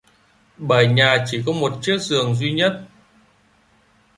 Bởi nhà chỉ có một chiếc giường duy nhất